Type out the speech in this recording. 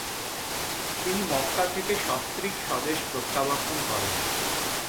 তিনি মক্কা থেকে সস্ত্রীক স্বদেশ প্রত্যাবর্তন করেন।